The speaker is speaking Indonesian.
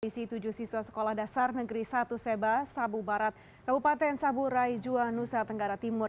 isi tujuh siswa sekolah dasar negeri satu seba sabu barat kabupaten sabu rai jua nusa tenggara timur